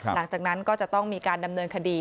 หลังจากนั้นก็จะต้องมีการดำเนินคดี